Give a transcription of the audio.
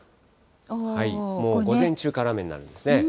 もう午前中から雨になるんですね。